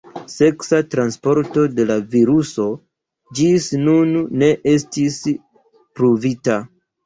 Seksa transporto de la viruso ĝis nun ne estis pruvita.